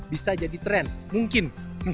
bisa jadi trend mungkin